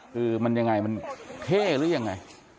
คือมันยังไงมันเท่หรือยังไง